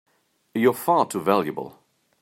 You're far too valuable!